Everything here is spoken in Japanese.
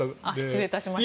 失礼いたしました。